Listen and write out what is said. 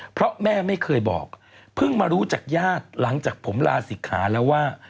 เพราะแม่ไม่เคยบอกเพิ่งมารู้จากญาติหลังจากผมลาศิกขาแล้วว่า